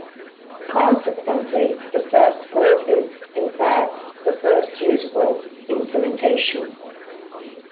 Consequently, the first port is, in fact, the first usable implementation.